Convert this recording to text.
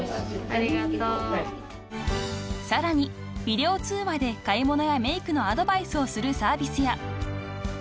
［さらにビデオ通話で買い物やメークのアドバイスをするサービスや］